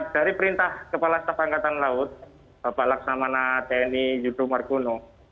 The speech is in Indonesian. dari perintah kepala staf angkatan laut bapak laksamana tni yudho margono